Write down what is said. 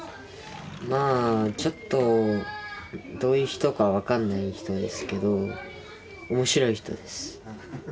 まあちょっとどういう人か分かんない人ですけど面白い人です。